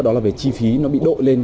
đó là về chi phí nó bị đội lên